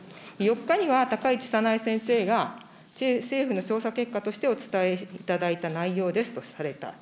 ４日には、高市早苗先生が政府の調査結果としてお伝えいただいた内容ですとされた。